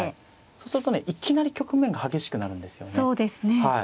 そうするとねいきなり局面が激しくなるんですよね。